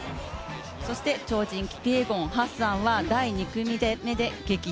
そして超人キピエゴン、ハッサンは第２組で対決。